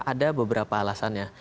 ada beberapa alasan